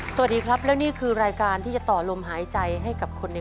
สวัสดีครับและนี่คือรายการที่จะต่อลมหายใจให้กับคนใน